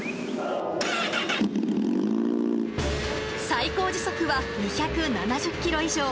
最高時速は２７０キロ以上。